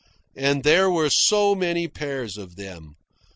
And there were so many pairs of them.